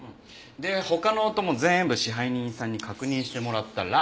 で他の音も全部支配人さんに確認してもらったら。